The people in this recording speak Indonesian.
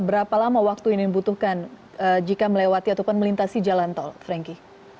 berapa lama waktu ini dibutuhkan jika melewati ataupun melintasi jalan tol franky